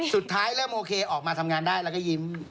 สุดท้ายเริ่มโอเคออกมาทำงานได้แล้วก็ยิ้ม